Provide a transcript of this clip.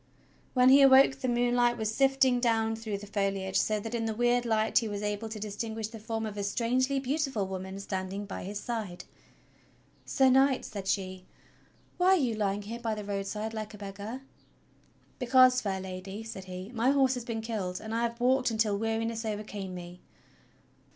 'When he awoke the moonlight was sifting down through the foliage, so that in the weird light he was able to distinguish the form of a strangely beautiful woman standing by his side. "Sir Knight," said she, "why are you lying here by the road side like a beggar.?" "Because, fair Lady," said he, "my horse has been killed, and I have walked until weariness overcame me."